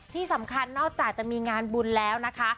ที่สำคัญนอกจากจะมีงานบุญแล้วนะคะ